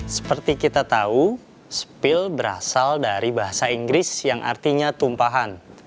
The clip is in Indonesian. seperti kita tahu spill berasal dari bahasa inggris yang artinya tumpahan